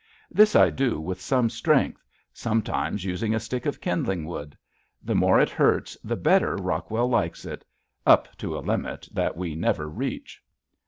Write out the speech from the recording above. This I do with some strength sometimes using a stick of kindling wood. The more it hurts the better Rockwell likes it up to a limit that we never reach.